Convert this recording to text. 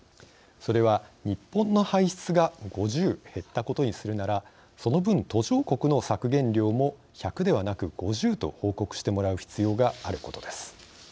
それは、日本の排出が５０減ったことにするならその分、途上国の削減量も１００ではなく５０、と報告してもらう必要があることです。